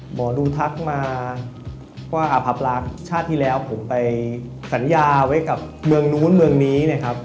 หมอดูทักมาว่าอภรักษ์ชาติที่แล้วผมไปสัญญาไว้กับเมืองนู้นเมืองนี้นะครับ